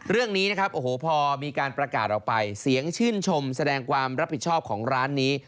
เรื่องนี้นะครับโอ้โหพอมีการประกาศออกไปเสียงชื่นชมแสดงความรับผิดชอบของร้านนี้